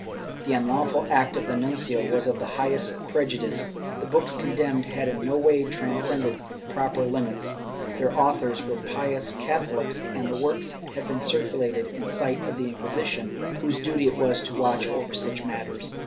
The unlawful act of the nuncio was of the highest prejudice; the books condemned had in no way transcended proper limits ; their authors were pious Catho lics and the works had been circulated in sight of the Inquisition, whose duty it was to watch over such matters.